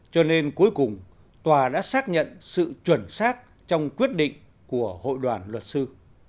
cho nên cuối cùng tòa đã xác nhận sự chuẩn xác trong quyết định của hội đoàn luật sư